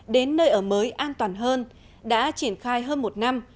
đến nơi ở mới an toàn hơn đã triển khai hơn một năm